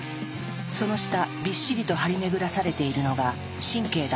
その下びっしりと張り巡らされているのが神経だ。